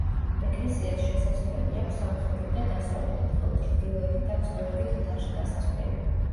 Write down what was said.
ეკლესიას შესასვლელი აქვს სამხრეთით და დასავლეთით, ხოლო ჩრდილოეთით აქვს გვერდით ოთახში გასასვლელი.